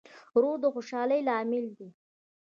ورور د خوشحالۍ لامل دی.